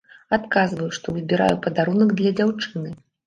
Адказваю, што выбіраю падарунак для дзяўчыны.